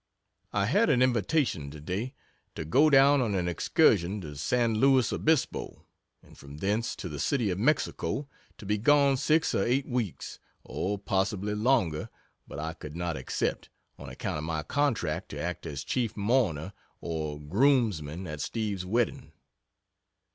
I had an invitation today, to go down on an excursion to San Luis Obispo, and from thence to the city of Mexico, to be gone six or eight weeks, or possibly longer, but I could not accept, on account of my contract to act as chief mourner or groomsman at Steve's wedding.